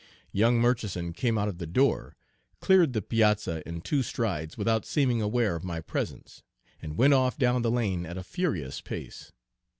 Young Murchison came out of the door, cleared the piazza in two strides without seeming aware of my presence, and went off down the lane at a furious pace.